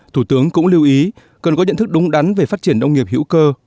thủ tướng cũng lưu ý cần có nhận thức đúng đắn về phát triển nông nghiệp hữu cơ